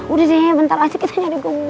udah deh bentar aja kita nyari gemuk